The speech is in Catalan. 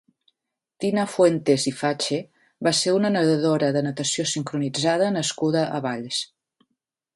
Tina Fuentes i Fache va ser una nadadora de natació sincronitzada nascuda a Valls.